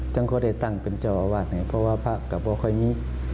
ฉันก็ได้ตั้งเป็นเจ้าอาวาสไงเพราะว่าพระกับพ่อค่อยนี้